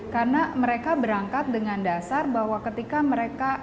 karena mereka berangkat dengan dasar bahwa ketika mereka